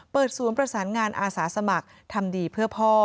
ศูนย์ประสานงานอาสาสมัครทำดีเพื่อพ่อ